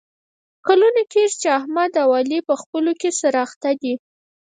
کلونه کېږي چې احمد او علي په خپلو کې سره اخته دي.